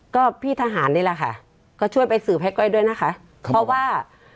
ก็พี่ทหารนี่แหละค่ะก็ช่วยไปสืบให้ก้อยด้วยนะคะเพราะว่า